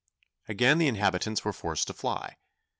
Again the inhabitants were forced to fly.